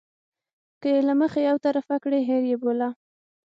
که یې له مخې یو طرفه کړي هېر یې بوله.